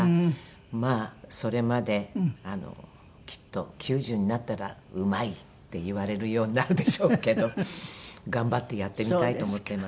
まあそれまできっと９０になったら「うまい」って言われるようになるでしょうけど頑張ってやってみたいと思ってます。